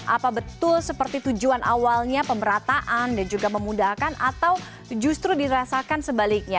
apa betul seperti tujuan awalnya pemerataan dan juga memudahkan atau justru dirasakan sebaliknya